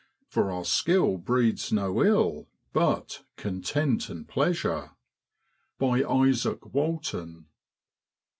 For our skill breeds no ill, But content and pleasure.' Izadk Walton.